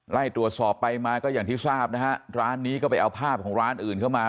ไล่ตรวจสอบไปมาก็อย่างที่ทราบนะฮะร้านนี้ก็ไปเอาภาพของร้านอื่นเข้ามา